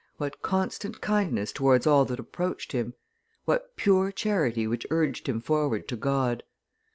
What constant kindness towards all that approached him! What pure charity which urged him forward to God!